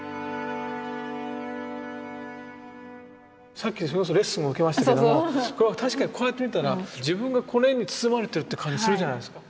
さっきそれこそレッスンを受けましたけどもこれは確かにこうやって見たら自分がこの絵に包まれてるって感じするじゃないですか。